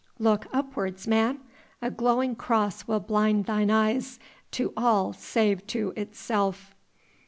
"Look upwards, man; a glowing Cross will blind thine eyes to all save to itself."